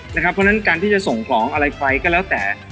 เพราะฉะนั้นการที่จะส่งของอะไรไปก็แล้วแต่